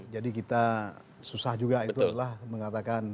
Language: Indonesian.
jadi kita susah juga itu adalah mengatakan